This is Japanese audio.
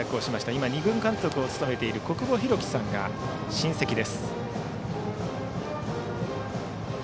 今２軍監督を務めている小久保さんが親戚です。